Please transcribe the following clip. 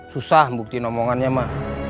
susah membukti omongannya ma